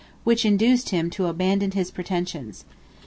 which induced him to abandon his pretensions.